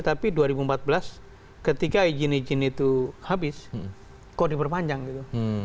tapi dua ribu empat belas ketika izin izin itu habis kok diperpanjang gitu